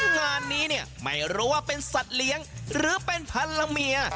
งานนี้เนี่ยไม่รู้ว่าเป็นสัตว์เลี้ยงหรือเป็นพันละเมีย